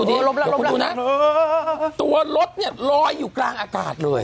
นี่คุณดูนะตัวรถเนี่ยลอยอยู่กลางอากาศเลย